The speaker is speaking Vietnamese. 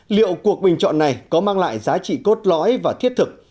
liệu cuộc bình chọn này có mang lại giá trị cốt lõi và thiết thực